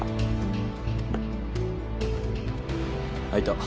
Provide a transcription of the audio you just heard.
開いた。